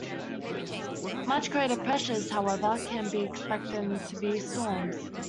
Much greater pressures, however, can be expected in severe storms.